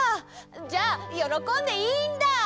じゃあよろこんでいいんだ！